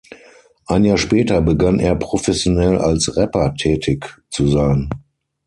Ein Jahr später begann er professionell als Rapper tätig zu sein.